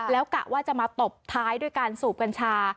แล้วกะว่าจะมาตบท้ายด้วยการสูบกัญชา